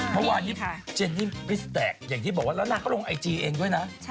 เมื่อวานนี้เจนนี่ฟิสแตกอย่างที่บอกว่าแล้วนางก็ลงไอจีเองด้วยนะ